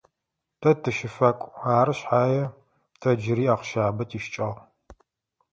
Тэ тыщэфакӏу, ары шъхьае тэ джыри ахъщабэ тищыкӏагъ.